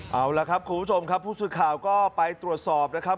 เอาล่ะครับคุณผู้ชมครับผู้สื่อข่าวก็ไปตรวจสอบนะครับ